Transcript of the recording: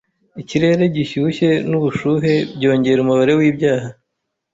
Ikirere gishyushye nubushuhe byongera umubare wibyaha.